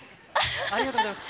ありがとうございます。